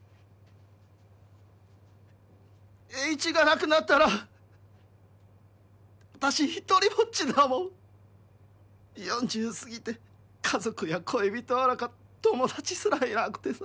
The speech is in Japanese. エーイチがなくなったら私ひとりぼっちだもん４０過ぎて家族や恋人はおろか友達すらいなくてさ